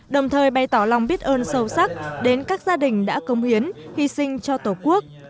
đồng thời bày tỏ lòng biết ơn sâu sắc đến các gia đình đã công hiến hy sinh cho tổ quốc